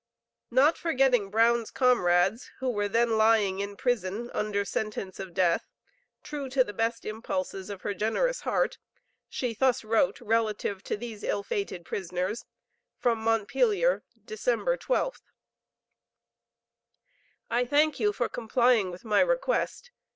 Not forgetting Brown's comrades, who were then lying in prison under sentence of death, true to the best impulses of her generous heart, she thus wrote relative to these ill fated prisoners, from Montpelier, Dec. 12th: "I thank you for complying with my request.